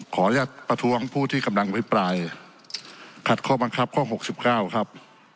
ขอรัฐพระท้วงผู้ที่กำลังพิปรายขัดข้อบังคับข้อหกสิบเก้าครับ